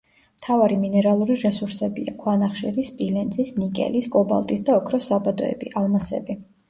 მთავარი მინერალური რესურსებია: ქვანახშირი, სპილენძის, ნიკელის, კობალტის და ოქროს საბადოები, ალმასები.